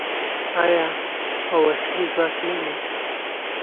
آیا او اصلي ځواک نه دی؟